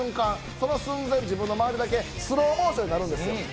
その寸前自分の周りだけスローモーションになるんですよ。